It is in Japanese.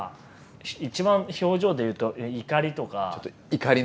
一番表情でいうと怒りとか。